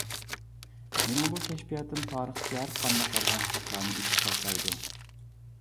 مېنىڭ بۇ كەشپىياتىم تارىختىكى ھەرقانداق يالغانچىلىقلارنى ئېچىپ تاشلايدۇ.